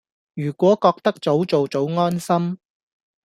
如果覺得早做早安心